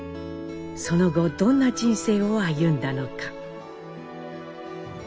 その後どんな人生を歩んだのか。